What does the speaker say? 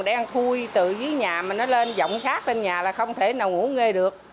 đen khui từ dưới nhà mà nó lên dọng sát lên nhà là không thể nào ngủ nghe được